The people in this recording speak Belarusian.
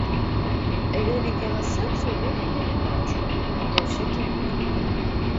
Вялікага сэнсу ў гэтым я не бачу, ва ўсякім выпадку.